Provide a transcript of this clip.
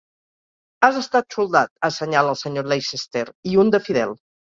"Has estat soldat", assenyala el senyor Leicester, "i un de fidel".